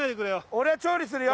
俺は調理するよ？